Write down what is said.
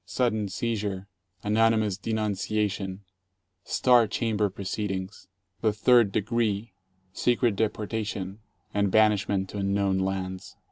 Sudden seizure, anonymous denunciation, star chamber proceedings, the third de gree, secret deportation and banishment to unknown lands.